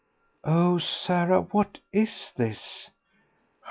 "Oh, Sarah, what is this?"